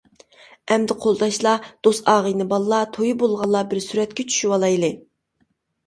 ئەمدى قولداشلار، دوست-ئاغىنە باللار، تويى بولغانلار بىر سۈرەتكە چۈشىۋالايلى.